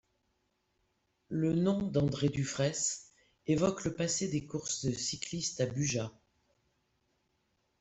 Le nom d’André Dufraisse évoque le passé des courses cyclistes à Bugeat.